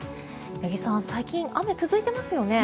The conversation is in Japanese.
八木さん、最近雨が続いていますよね。